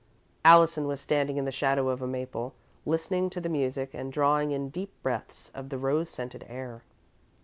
Allison was standing in the shadow of a maple, listening to the music and drawing in deep breaths of the rose scented air.